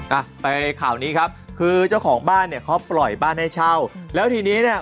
อ่ะไปข่าวนี้ครับคือเจ้าของบ้านเนี่ยเขาปล่อยบ้านให้เช่าแล้วทีนี้เนี่ย